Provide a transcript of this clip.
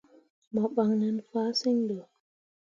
Mo ɓan nen fahsǝŋ ɗo.